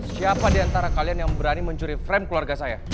siapa diantara kalian yang berani mencuri frame keluarga saya